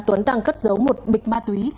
tuấn đang cất giấu một bịch ma túy